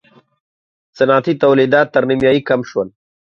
صنعتي تولیدات تر نییمایي کم شول.